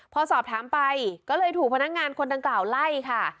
พอสอบถามไปก็เลยถูกพนักงานคนดังกล่าวไล่ค่ะ